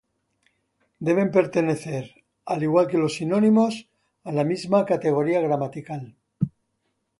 Deben pertenecer, al igual que los sinónimos, a la misma categoría gramatical.